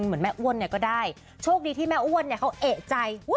เหมือนแม่อ้วนเนี่ยก็ได้โชคดีที่แม่อ้วนเนี่ยเขาเอกใจ